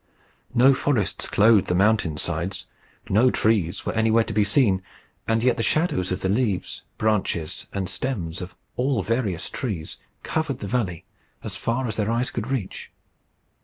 No forests clothed the mountain sides, no trees were anywhere to be seen, and yet the shadows of the leaves, branches, and stems of all various trees covered the valley as far as their eyes could reach.